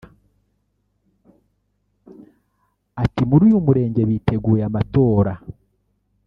Ati “Muri uyu murenge biteguye amatora